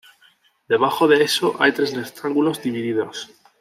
Debajo de eso hay tres rectángulos divididos.